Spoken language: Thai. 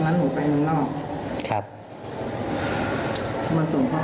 นิติบุคลุม